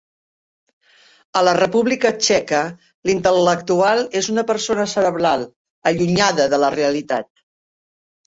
A la República Txeca l'intel·lectual és una persona cerebral, allunyada de la realitat.